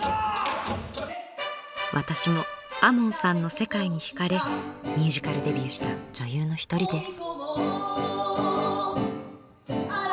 私も亞門さんの世界にひかれミュージカルデビューした女優の一人です。